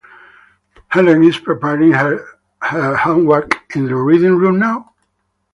Helen is preparing her homework in the reading-room now?